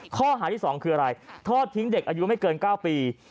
ข้อหาที่๒คืออะไรทอดทิ้งเด็กอายุไม่เกิน๙ปี